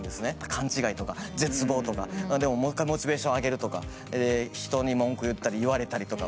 勘違いとか絶望とか、でももう一回モチベーションを上げるとか、人に文句言ったり言われたりとか。